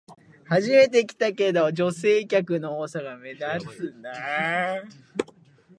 初めて来たけど、女性客の多さが目立つな